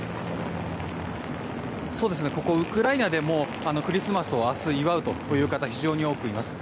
ここウクライナでもクリスマスを明日、祝うという方が非常に多くいます。